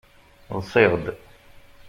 Ḍsiɣ-d.